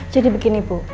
jadi begini bu